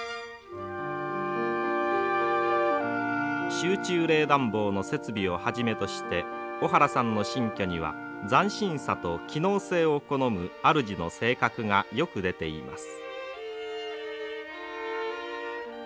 集中冷暖房の設備をはじめとして小原さんの新居には斬新さと機能性を好むあるじの性格がよく出ています。